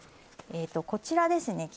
こちらですね